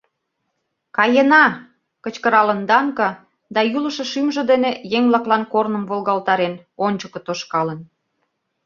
—...Каена! — кычкыралын Данко да, йӱлышӧ шӱмжӧ дене еҥ-влаклан корным волгалтарен, ончыко тошкалын...»